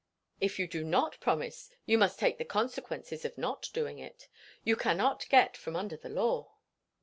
"If you do not promise you must take the consequences of not doing it. You cannot get from under the law."